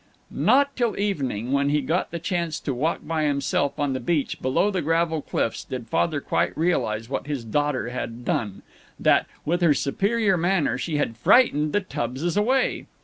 Not till evening, when he got the chance to walk by himself on the beach below the gravel cliffs, did Father quite realize what his daughter had done that, with her superior manner, she had frightened the Tubbses away.